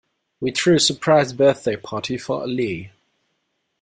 We threw a surprise birthday party for Ali.